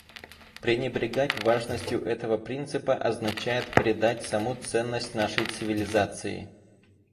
Пренебрегать важностью этого принципа означает предать саму ценность нашей цивилизации.